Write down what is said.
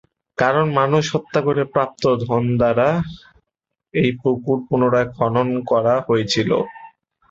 কারণ মানুষ হত্যা করে প্রাপ্ত ধন দ্বারা এই পুকুর পুনরায় খনন করা হয়েছিল।